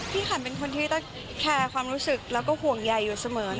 ขันเป็นคนที่ต้องแคร์ความรู้สึกแล้วก็ห่วงใยอยู่เสมอ